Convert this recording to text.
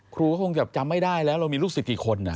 คงจะจำไม่ได้แล้วเรามีลูกศิษย์กี่คน